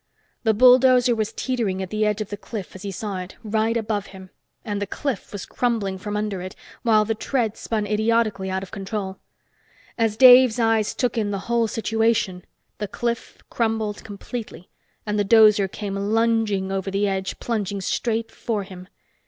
The bulldozer was teetering at the edge of the cliff as he saw it, right above him. And the cliff was crumbling from under it, while the tread spun idiotically out of control. As Dave's eyes took in the whole situation, the cliff crumbled completely, and the dozer came lunging over the edge, plunging straight for him.